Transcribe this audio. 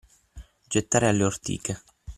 Gettare alle ortiche.